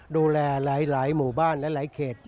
ดูแลหลายหมู่บ้านและหลายเขต